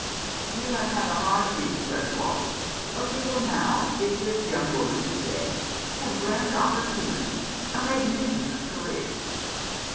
" You have had a hard youth, Greswold ; but you will now — if this young woman is dead — have grand opportunities, a magnificent career."